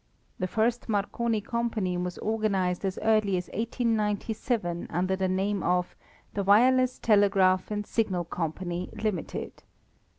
The first Marconi company was organized as early as 1897 under the name of the Wireless Telegraph and Signal Company, Limited.